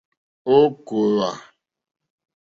Ò kòòwà.